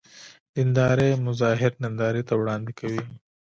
دیندارۍ مظاهر نندارې ته وړاندې کوي.